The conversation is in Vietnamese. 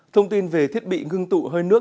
thông tin về thiết bị ngưng tụ hơi nước